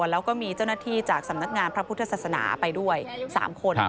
แล้วก็มีเจ้าหน้าที่จากสำนักงานพระพุทธศาสนาไปด้วย๓คน